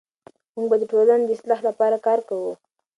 موږ به د ټولنې د اصلاح لپاره کار کوو.